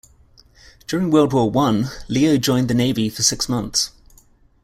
During World War One, Leo joined the Navy for six months.